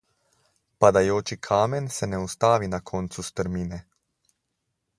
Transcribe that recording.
Padajoči kamen se ne ustavi na koncu strmine.